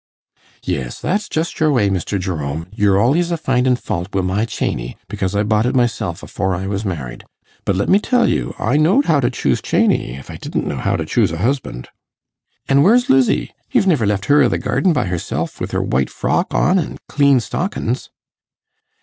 'Yes, that's just your way, Mr. Jerome, you're al'ys a findin' faut wi' my chany, because I bought it myself afore I was married. But let me tell you, I knowed how to choose chany if I didn't know how to choose a husband. An' where's Lizzie? You've niver left her i' the garden by herself, with her white frock on an' clean stockins?